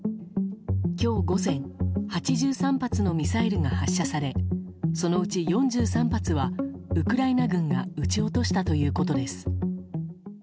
今日午前８３発のミサイルが発射されそのうち４３発はウクライナ軍が撃ち落としたということです。